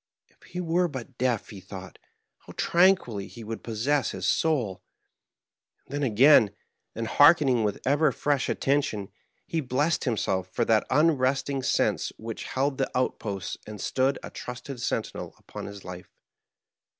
If he were but deaf, he thought, how tranquilly he would possess his soul I And then again, and hearkening with ever fresh attention, he blessed himself for that unresting sense which held the out posts and stood a trusted sentinel upon his life.